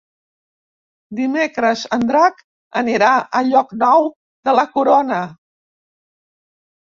Dimecres en Drac anirà a Llocnou de la Corona.